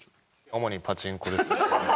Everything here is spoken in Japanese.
主にパチンコですね。